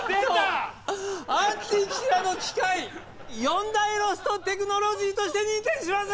アンティキティラの機械四大ロストテクノロジーとして認定します！